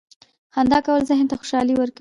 • خندا کول ذهن ته خوشحالي ورکوي.